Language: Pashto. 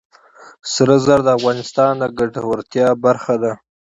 طلا د افغانانو د ګټورتیا برخه ده.